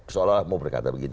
seolah olah mau berkata begitu